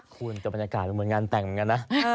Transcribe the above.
คุณแต่บรรยากาศเหมือนงานแต่งอย่างนั้นนะ